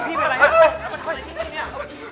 พี่เป็นไรอ่ะมันทำอะไรที่นี่เนี่ย